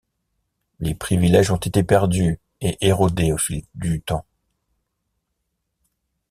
Les privilèges ont été perdus et érodés au fil du temps.